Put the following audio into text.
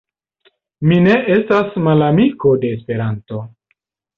Mi ne estas malamiko de Esperanto.